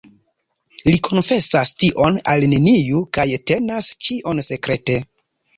Li konfesas tion al neniu kaj tenas ĉion sekrete.